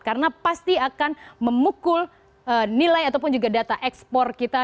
karena pasti akan memukul nilai ataupun juga data ekspor kita